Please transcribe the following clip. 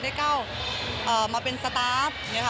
ได้ก้าวมาเป็นสตาร์ฟ